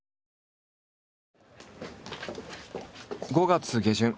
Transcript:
５月下旬。